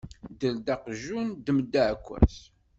Dder-d aqjun, ddem-d aɛekkaz!